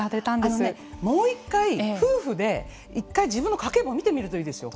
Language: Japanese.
あのね、もう一回夫婦で１回自分の家計簿を見てみるといいですよ。